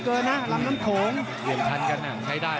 ต้องออกครับอาวุธต้องขยันด้วย